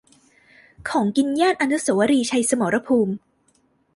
ของกินย่าน อนุสาวรีย์ชัยสมรภูมิ